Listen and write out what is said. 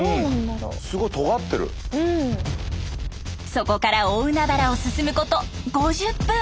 そこから大海原を進むこと５０分。